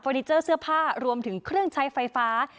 นิเจอร์เสื้อผ้ารวมถึงเครื่องใช้ไฟฟ้า